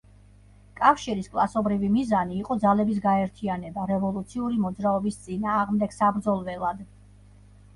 კავშირის კლასობრივი მიზანი იყო ძალების გაერთიანება რევოლუციური მოძრაობის წინააღმდეგ საბრძოლველად.